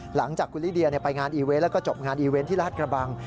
หลังจากคุณลิเดียไปงานอีเวนต์แล้วก็จบงานอีเวนต์ที่ราชกระบัง